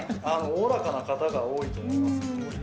おおらかな方が多いと思います。